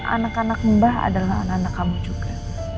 anak anak mbah adalah anak anak kamu juga